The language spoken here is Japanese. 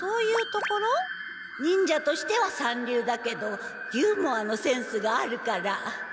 忍者としては三流だけどユーモアのセンスがあるから。